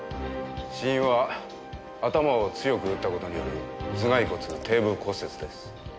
死因は頭を強く打った事による頭蓋骨底部骨折です。